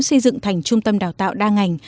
xây dựng thành trung tâm đào tạo đa ngành